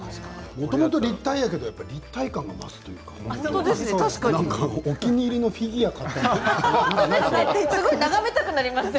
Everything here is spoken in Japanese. もともと立体やけど立体感が増すというかお気に入りのフィギュアかなと思いました。